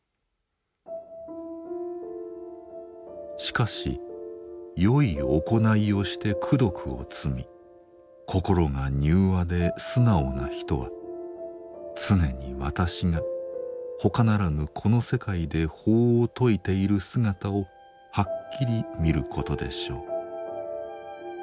しかし善い行いをして功徳を積み心が柔和で素直な人は常に私がほかならぬこの世界で法を説いている姿をはっきり見ることでしょう。